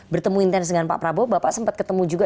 bertemu intens dengan pak prabowo bapak sempat ketemu juga